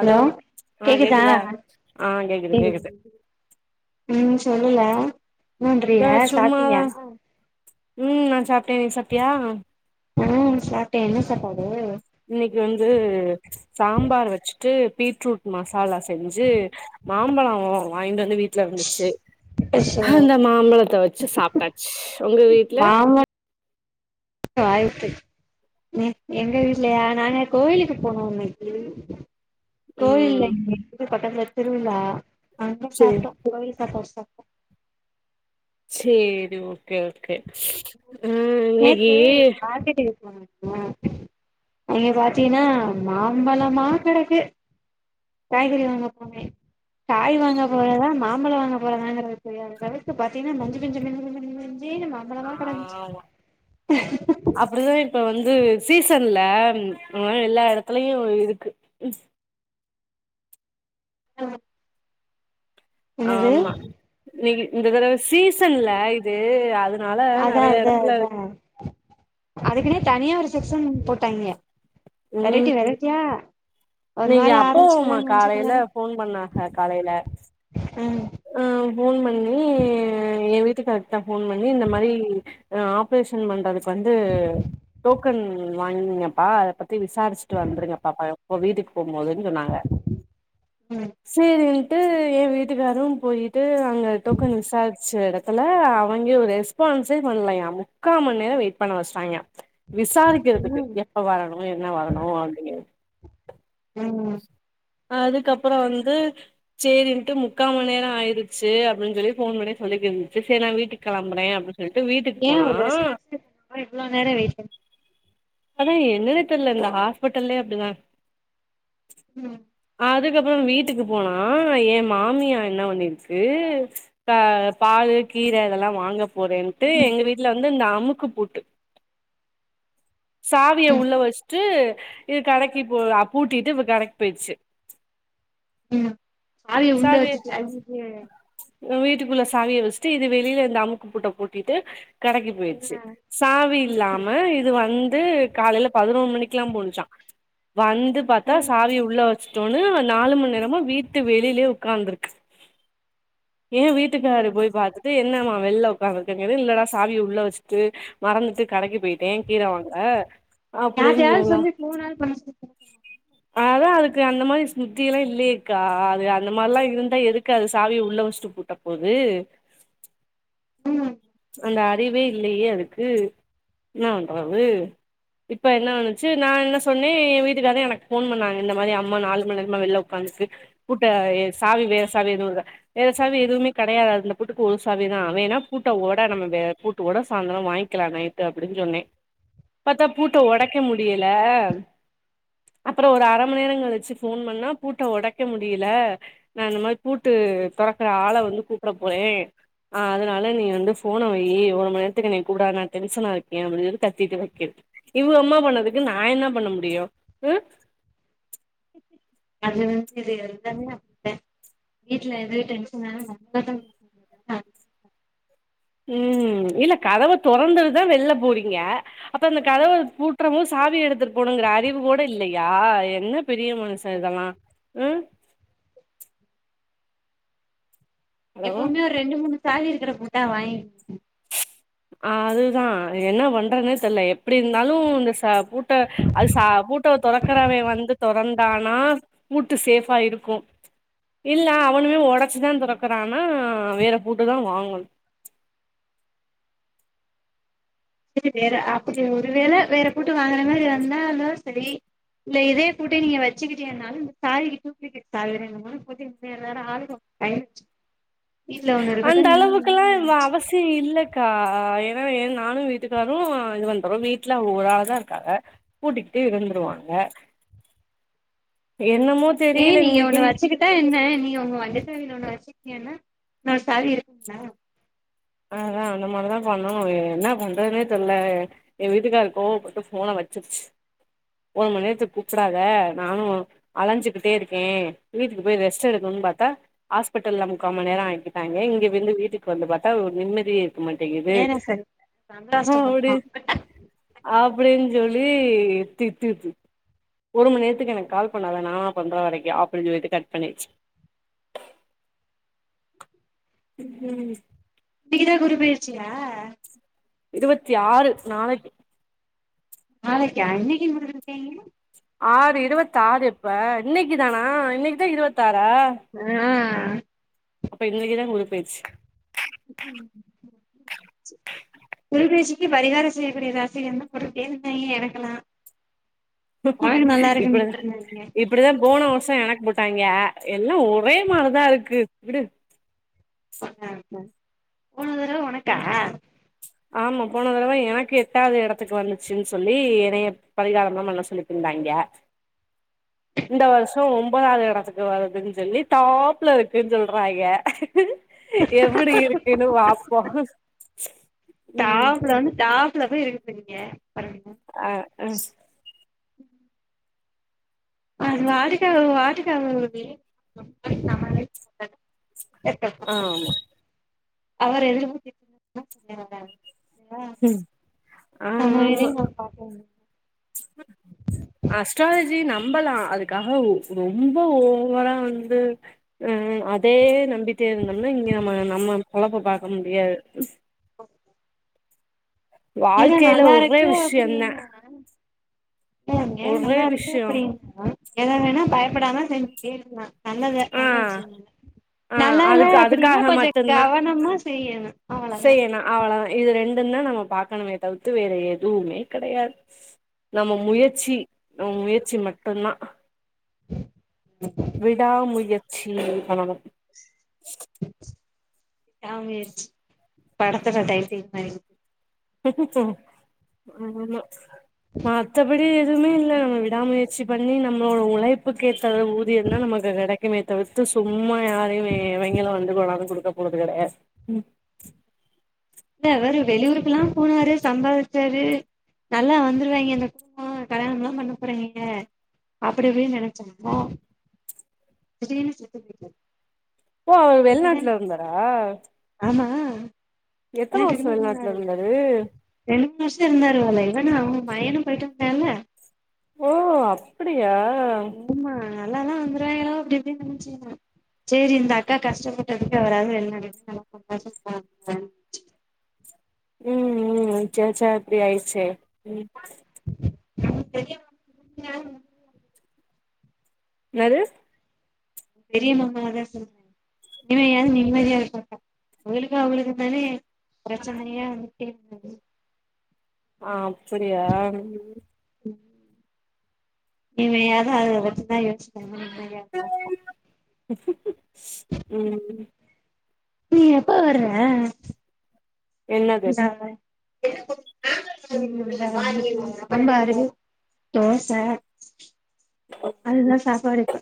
hello கேக்குதா ஆ கேக்குது கேக்குது [unintelligible] ம் சொல்லுல என்ன பண்றீக இதோ சும்மாதா சாப்டீங்கா ம் நா சாப்ட்டே நீ சாப்ட்டியா ம் சாப்ட்டே என்ன சாப்பாடு இன்னைக்கு வந்து சாம்பார் வச்சுட்டு பீட்ரூட் மசாலா செஞ்சு மாம்பழோ வாங்கிட்டு வந்து வீட் ல இருந்துச்சு ஸ்பெஷல் அந்த மாம்பழத்த வச்சு சாப்ட்டாச்சு உங்க வீட்ல ஆய்றதெட் எ எங்க வீட்லயா நாங்க கோயிலுக்கு போனோ இன்னைக்கி கோயில்ல ம் எங்க வீட்டுக்கு பக்கத்துல திருவிழா அங்க சேரி சாப்ட்டோ கோயில் சாப்பாடு சாப்ட்டோ சேரி ஓகே ஓகே ம் நேத்து இன்னைக்கு மார்க்கெட்டுக்கு போன ம் அங்க பாத்தீன்னா மாம்பழமா கெடக்கு காய்கறி வாங்கப்போனே காய் வாங்க போறதா மாம்பழோ வாங்க போறதாங்கறது தெரியாத அளவுக்கு பாத்தீங்கன்னா மஞ்ச மஞ்ச மஞ்ச மஞ்ச மஞ்ச மஞ்ச மஞ்சேனு மாம் பழமா கடந்துச் அப்படிதா இப்ப வந்து சீசன்ல்ல அதனால எல்லா எடத்துலயு இருக்கு ஆ ஆமா நீகு இந்த தடவ சீஸ் தன்ல்ல இது அதனால நறைய எடத்துல அது அதுக்குனே தனியா ஒரு செக்ஷன் போட்டாய்ங்க வெரைட்டி வெரைட்டியா ஒரு இன்னைக்கி மாரி அப்பு ஆரஞ்சு உமா கலர் மஞ்ச கலர் காலையில ஃபோன் பண்ணாஹ காலையில ம் அ ஃபோன் பண்ணி எ வீட்டுக்கார்க்தா ஃபோன் பண்ணி இந்த மாரி அ ஆப்ரேஷன் பண்றதுக்கு வந்து டோக்கன் வாங்கினிங்கப்பா அத பத்தி விசாரிச்சுட்டு வந்துருங்கப்பாப்பழோ ஓ வீட்டுக் போம்போதுன்னு சொன்னாங்க ம் சேரின்ட்டு எ வீட்டுக்காரும் போயி ட்டு அங்க டோக்கன் விசாரிச்சு எடத் துல அவேங்க ஒரு ரெஸ்பான்ஸே பண்லயா முக்கா மண் நேரம் வெயிட் பண்ண வச்சுறாய்க விசாரிக்கறதுக்கு ம் எப்ப வரணு என்ன வரணு அப்டிங்கிறதுக் ம் அதுக்கப்புறோ வந்து சேரின்ட்டு முக்கா மண் நேரோ ஆயிடுச்சு அப்டின்னு சொல்லி ஃபோன் பண்ணி சொல்லிக் இருந்ச்சு சேரி நா வீட்டுக்கு கெளம்புற அப்டி சொல்ட்டு வீட்டுக்கு போனா ஆ இவ்ளோ நேரோ வெயிட் பண் அதா என்னென்னே தெரில இந்த ஹாஸ்பிட்டல்லே அப்டிதா ம் அதுக்கப்பறோ வீட்டுக்கு போனா ஏ மாமியா என்ன பண்ணிருக்கு ப பாலு கீர இதெல்லா வாங்க போறேன்ட்டு ம் எங்க வீட்ல வந்து இந்த அமுக்கு பூட்டு சாவிய ம் உள்ள வச்சுட்டு இது கடைக்கி போ பூட்டிட்டு கடைக்கி போயிருச்சி ம் சாவிய உள்ள வச்சுட்டு அய்யய்ய வீட்டுக்குள்ள சாவிய வச்சுட்டு இது வெளில இந்த அமுக்கு பூட்ட பூட்டிட்டு கடைக்கி போயிருச்சி சாவி இல்லாம இது வந்து காலேல பதினொரு மணிக்குல்லா போணுச்சா வந்து ஆ பாத்தா ம் சாவிய உள்ள வச் சிட்டோன்னு நாலு மணி நேரமா வீட்டு வெளிலயே உக்காந்துருக்கு ஏ வீட்டுக்காரு ம் போய் பாத்துட்டு என்னம்மா வெள்ள உக்காந்திருக்க கேட்டதுக்கு இல்லடா சாவிய உள்ள வச்சுட்டு மறந்துட்டு கடைக்கி போயிட்டே கீர வாங்க அப்டின்னு யார்ட்டயாவது சொல்ல சொல்லி ஃபோனாது பண்ண சொல்லு அதா அதுக் கு அந்த மாரி ஸ்மிருத்தி எல்லா இல்லயேக்கா அது அந்த மாரிலா இருந்தா எதுக்கு அது சாவிய உள்ள வச்சுட்டு பூட்ட போது ம் அந்த அறிவே இல்லையே அதுக்கு என்ன பண்றது இப்ப என்ன பண்ணுச்சி நா என்ன சொன்னே ஏ வீட்டுக்காரர் எனக்கு ஃபோன் பண்ணாங்க இந்த மாரி அம்மா நாலு மணி நேரமா வெளில உக்காந்திருக்கு பூட்ட சாவி வேற சாவி எதுவு இருக்கா வேற சாவி எதுவுமே கெடையாது அந்த பூட்டுக்கு ஒரு சாவிதா வேணா பூட் ட ஒட நம்ம வேற பூட்டு கூட சாயிந்தறோ வாங்கிக்கிலா நைட்டு அப்டின் சொன்னே பத்தா பூட்ட ஒடைக்க முடியல அப்பறோ ஒரு அர மணி நேரோ கழிச்சி ஃபோன் பண்ணா பூட்ட ஒடைக்க முடியல நா இந்த மாரி பூட்டு தொறக்குற ஆள வந்து கூப்ட போறே ஆ அதனால நீ வந்து ஃபோன வையு ஒரு மணி நேரத்துக்கு என்ன கூப்டாத நா டென்ஷனா இருக்கே அப்டின்னு சொல்லி கத்தீட்டு வைக்கிது இவுக அம்மா பண்ணதுக்கு நா என்ன பண்ண முடியு ம் அது வந்து இது எல்லாமே அப்டிதா வீட்ல எதா டென்ஷன் ஆனா நம்மளதா ஆ ம் இல்ல கதவ தொறந்துட்டுதா வெளில போறீங்க அப்ப அந்த கதவ பூட்றம் போது சாவி எடுத்துட்டு போணுங்கிற அறிவு கூட இல்லையா என்ன பெரிய மனுஷ இதெல்லா ம் ஹலோ எப்பவுமே ஒரு ரெண்டு மூணு சாவி இருக்குற பூட்டா வாங்கி அதுதா என்ன பண்றதுன்னே தெர்ல எப்டி இருந்தாலு இந்த சா பூட் ட அது ச பூட்ட தொறக்குறவே வந்து தொறந்தானா பூட்டு சேஃபா இருக்கு இல்ல அவனுமே ஒடச்சிதா தொறக்குறான்னா வேற பூட்டு தா வாங்கணு செரி வேற அப்டி ஒரு வேள வேற பூட்டு வாங்குற மாரி வந்தாலு செரி இல்ல இதே பூட்ட நீங்க வச்சுக்கிட்டீங்கனாலு இந்த சாவிக்கு டூப்ளிகேட் சாவி வேணு டைம் ஆச்சு அந்த அளவுக்கு எல்லா இப்ப வச்சுக்கோங்க அவசி யோ இல்லக்கா ஏன்னா நானு வீட்டுக்காரு இது வண்ணுறோ வீட்ல அவுங்க ஒரு ஆள் தா இருக்காங்க பூட்டிக்கிட்டு இருந்துருவாங்க என்னமோ ஏ தெரியல நீங்க ஒன்னு இன்னைக்குன்னு வச்சிக்கிட் டா என்ன நீங்க ஒங்க வண்டி சாவில ஒன்னு வச்சிக்கிட்டிங்கன்னா இன்னொரு சாவி இருக்கும்ல அததா அந்த மாரிதா பண்ணணு வேற என்ன பண்ணுறதுன்னே தெரில எ வீட்டுக்கார் கோவப்பட்டு போன வச்சுருச்சு ஒரு மண் நேரத்துக் கூப்புடாத நானு அலஞ்சுக்கிட்டே இருக்கே வீட்டுக்கு போய் ரெஸ்ட் எடுக்கனு பாத்தா ஹாஸ்பெட்டல்ல முக்கா மண் நேரொ ஆக்கிட்டாங்கெ இங்க வெந்து வீட்டுக்கு வந்து பாத்தா ஒரு நிம்மதியே க்க மாட்டெங்குது ஏனா சரி ஆ அவ்டி சந்திராஷ்டமமா அப்டின் சொல்லி திட்டுது ஒரு மண் நேரத்துக்கு எனக்கு கால் பண்ண வேனா நா பண்ற வரைக்கு அப்டின் சொல்லிட்டு கட் பண்ணிர்ச்சு ம் ம் இன்னிக்கிதா குரு பெயர்ச்சியா இருவத்தி ஆறு நாளைக்கி நாளைக்கா இன்னக்கின் போட்டுகிட்டு இருக்காங்கெ ஆறு இருவத்தாறு எப்ப இன்னைக்கு தானா இன்னைக்கு தா இருவத்தாறா ஆ அப்ப இன்னைக்கு தா குரு பெயர்ச்சி [inaudible] குருப்பெயர்ச்சிக்கு பரிகாரொ செய்யக்கூடிய ராசி என்ன [unintelligible] எனக்கலா ஒனக் நல்லா இருக்குன்னு இப்டிதா போட்ருந்தாங்கெ இப்டிதா போன வருஷொ எனக்கு போட்டாங்கெ எல்லா ஒரே மாரிதா இருக்கு விடு ஆமா போன தரவ ஒனக்கா ஆமா போன தடவ எனக்கு எட்டாவ்து எடத்துக்கு வந்துச்சுன்னு சொல்லி என்னைய பரிகாரம்லா பண்ண சொல்லிட் இருந்தாங்கெ [inaudible] இந்த வருஷொ ஒன்பதாது எடத்துக்கு வருதுன்னு சொல்லி டாப்ல இருக்குன்னு சொல்றாங்கெ எப்புடி இருக்குன்னு பாப்போ ம் [unintelligible] டாப் [unintelligible] அ அ அது வாட்டுக்க அது வாட்டுக்க [unintelligible] ஆமா அவர் [inaudible] நம்ம ஆமா வேலை [unintelligible] அஸ்ட்ராலஜி நம்பலா அதுக்காக ஒ ரொம்ப ஓவரா வந்து ம் ம் அதே நம்பிட்டே இருந்தோம்னா இங்க நம்ம நம்ம பொழப்ப பாக்க முடியாது [inaudible] ஏனா வாழ்க்கையில நல்லா ஒரே இருக்கு அப்புடி விஷயந்தா என்ன [inaudible] [unintelligible] ஒரே நல்லத விஷயோ நல்ல ஆ [unintelligible] ஆ நல்லா இல்ல அதுக்கு அப்டின்னா அதுக்காக கொஞ்சொ மட்டுந்தா கவனமா செய்யணு அவ்வளவுதா செய்யணு அவ்ளோதா இது ரெண்டுந் தா நம்ம பாக்கணுமே தவுத்து வேற எதுவுமே கெடையாது நம்ம முயற்சி நம்ம முயற்சி மட்டுந்தா விடா முயற்சி பண்ணனு விடா முயற்சி படத்துல டைட்டில் மாதிரி ஆமா மத்தபடி எதுவுமே இல்ல நம்ம விடாமுயற்சி பண்ணி நம்ளோட உழைப்புக்கு ஏத்த ஊதியந் தா நமக்கு கெடைக் குமேர தவிர்த்து சும்மா யாரையு எ எவெங்கெலு வந்து கொண்டாந்து குடுக்க போறது இல்லல இல்ல அவரு வெளியூருக்குலா போனாரு சம்பாறுச்சாரு நல்லா வந்துருவாங்கெ இந்த குடும்பொ கல்யாணம்லா பண்ண போறாங்கெல அப்டி இப்டின் நெனச்சோம்னா எதுங்லுமே திருத்த முடியாது ஓ அவர் வெளிநாட்ல இருந்தாரா ஆமா எத்தன வர்ஷோ வெளிநாட்டுக்குலா வெளிநாட்ல போனாரு இருந்தாரு ரெண்டு மூண் வர்ஷோ இருந்தாரு வாலே இவனு அவங்க பையனும் போய்ட்டு வந்தாள ஓ அப்படியா ஆமா நல்லா தா வந்துருவாய்ங்களோ அப்டி இப்டின் நென்ச்சுக்குன சேரி இந்த அக்கா கஷ்டப்பட்டதுக்கு அவராது வெளிநாட்ல நல்லா சந்தோஷம் [inaudible] ம் ம் சே சா இப்டி ஆய்ச்சே [unintelligible] ஏன் வேணும் நேது பெரிய மாமாவ தா சொல்ற இனிம யாவது நிம்மதியா இருக்கக்கா இவளுக்கு அவளுக்கு தானே பிரச்சனையா வந்துட்டே இருந்தது ஆ அம்சுர்வ்யா இனிமேயாவது அவள பத்திதா யோசிச்ச ம் நீ எப்ப வர்ற என்னது நா வர்ற சாம்பாரு தோச அதுதா சாப்பாடு இப்ப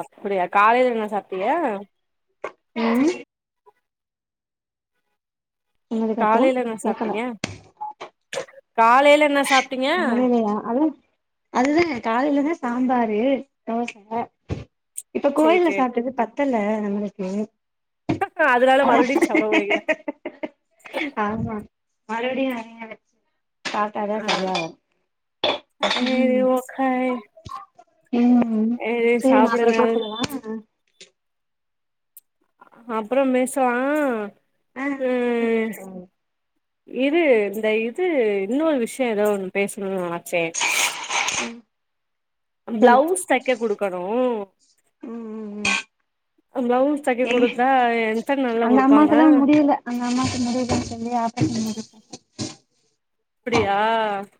அப்பிடியா காலையில் என்ன சாப்ட்டீங்க ம் என்னது காத்தியா காலையில என்ன கேக்கல சாப்பிட்டீங்க காலைய்லயா அவுல் அதுதாங்க காலையிலதா சாம்பாரு தோச இப்ப சேரி கோயில்ல சேரி சாப்ட்டது பத்தல்ல நம்ளுக்கு அதனால அ மறுபடியு சாப்ட போறீங்களா ஆமா மறுப்டியு அ வச்சு தாத்தா ஆ சரியா ஏரி ம் ஓகே ம் ம் ஏரி சரி நா அப்புறோ சாப்டுங்க கூப்பிடவா அப்புறம் மேசலா ஆ அப்றமேட்டு ம் கூப்பட்றேங்க இரு இந்த இது இன்னொரு விஷ்யோ ஏதோ ஒண்ணு பேசணு நெனச்ச ம் சொல்லு பிளவுஸ் தெக்க குடுக்கணு ம் ம் ம் பிளவுஸ் தெக்க எங்க குடுத்தா எத்தன் நாள்ல குடுப்பாங்க எங்க அம்மாக்கு முடிலன் சொல்லி [unintelligible] அப்டியா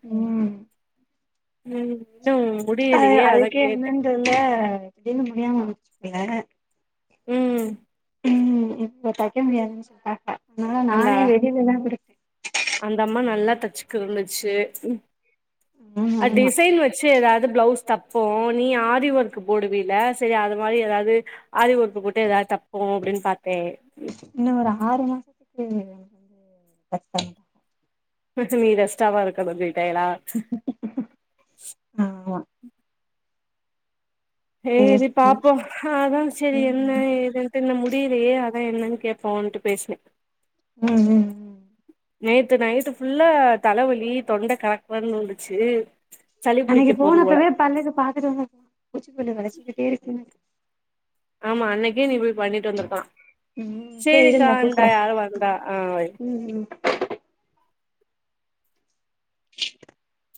ம் ம் இன்னும் முடியலயே அதா கேட்ட சொல்ங்க இன்னு முடியாம வச்சுக்கிங்க ம் ம் இப்ப தெக்க முடியாதுன் சொல்ட்டாங்க அதனால அந்த நானே வெளில தா குடுத் அந்த அம்மா நல்லா தச்சுக்குவன்னுச்சு ம் அ ஆமா டிசைன் வச் சி ஏதாவ்து ப்ளவ்ஸ் தப்போ நீ வர்க்கு போடுவில சரி அது மாதி ஏதாவ்து ஆரி வர்க்கு போட்டு ஏதா தப்போ அப்டின் பாத்தே இன்னு ஒரு ஆறு மாசத்துக்கு ஏஏ கத்தன் ப்ருத்துவி ரெஸ்டாவா இருக்கத ஜொல்ட்டே எலா ஆமா சேரி ஹேரி சேரி பாப்போ அதா சேரி என்ன ம் ஏதுன் துன்னு முடிலியே அதா என்னன்னு கேப்போன்ட்டு பேஸ்னே ம் ம் ம் நேத்து நைட்டு ஃபுல்லா தலவலி தொண்ட கலக்கலனூண்டுச்சு அன்னைக்கி போனப்பவே பல்லுக்கு பாத்துட்டு வந்த பா பூச்சி பல்லு கடச்சிக்கிட்டே இருக்கு எனக் ஆமா அன்னைக்கே நீ போய் பண்ணிட் வந்துருக்கலா ம் சேரி ச்சேரிக்கா இருங்க அண்டா கூப்புறே யாரு வந்தா ஆ வை ம் ம் [inaudible]